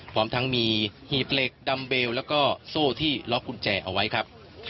พร้อมทั้งมีหีบเหล็กดำเบลแล้วก็โซ่ที่ล็อกกุญแจเอาไว้ครับ